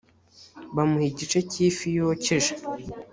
bamuha igice cy ifi yokeje